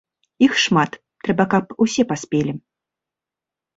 Іх шмат, трэба каб усе паспелі.